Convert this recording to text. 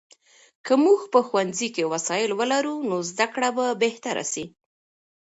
که موږ په ښوونځي کې وسایل ولرو، نو زده کړه به بهتره سي.